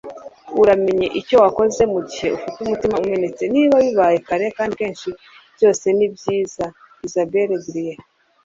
uramenya icyo wakozwe mugihe ufite umutima umenetse. niba bibaye kare kandi kenshi, byose ni byiza. - isabel gillies